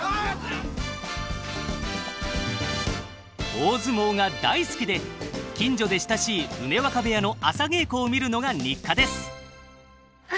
大相撲が大好きで近所で親しい梅若部屋の朝稽古を見るのが日課です。